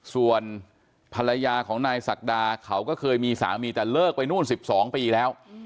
ส่วนภรรยาของนายศักดาเขาก็เคยมีสามีแต่เลิกไปนู่น๑๒ปีแล้ว